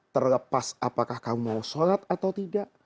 terlepas apakah kamu mau sholat atau tidak